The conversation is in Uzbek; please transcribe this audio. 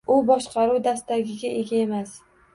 U boshqaruv dastagiga ega emas